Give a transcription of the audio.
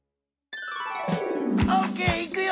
オーケーいくよ！